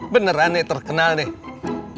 beneran nih terkenal nih